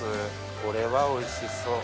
これはおいしそう。